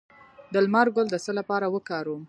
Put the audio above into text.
د لمر ګل د څه لپاره وکاروم؟